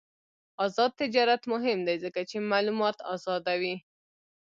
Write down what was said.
آزاد تجارت مهم دی ځکه چې معلومات آزادوي.